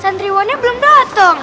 santriwannya belum dateng